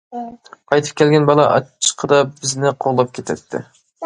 قايتىپ كەلگەن بالا ئاچچىقىدا بىزنى قوغلاپ كېتەتتى.